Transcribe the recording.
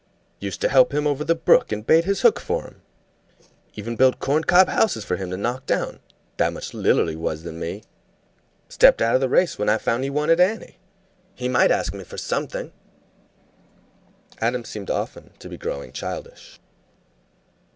"Used to help him over the brook and bait his hook for him. Even built corn cob houses for him to knock down, that much littler he was than me. Stepped out of the race when I found he wanted Annie. He might ask me for something!" Adam seemed often to be growing childish.